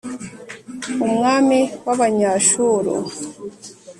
umwami w’Abanyashuru,